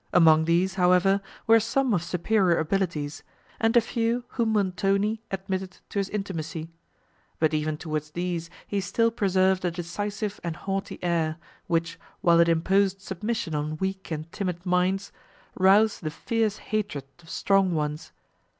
Among these, however, were some of superior abilities, and a few whom Montoni admitted to his intimacy, but even towards these he still preserved a decisive and haughty air, which, while it imposed submission on weak and timid minds, roused the fierce hatred of strong ones.